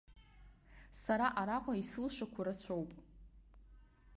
Сара араҟа исылшақәо рацәоуп.